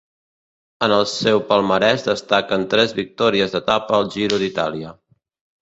En el seu palmarès destaquen tres victòries d'etapa al Giro d'Itàlia.